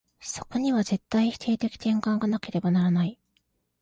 そこには絶対否定的転換がなければならない。